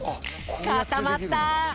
かたまった！